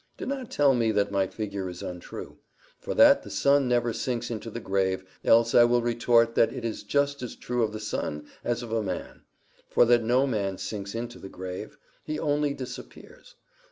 Do not tell me that my figure is untrue, for that the sun never sinks into the grave, else I will retort that it is just as true of the sun as of a man; for that no man sinks into the grave. He only disappears.